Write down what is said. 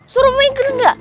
suruh main kerendah